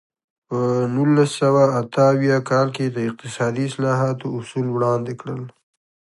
په نولس سوه اته اویا کال کې د اقتصادي اصلاحاتو اصول وړاندې کړل.